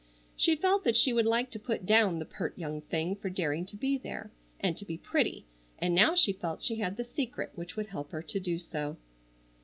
She felt that she would like to put down the pert young thing for daring to be there, and to be pretty, and now she felt she had the secret which would help her to do so.